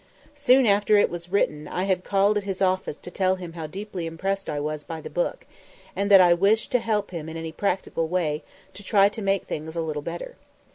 Soon after it was written I had called at his office to tell him how deeply impressed I was by the book, and that I wished to help him in any practical way to try to make things a little better.